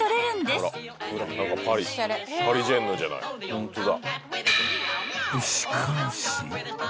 ホントだ。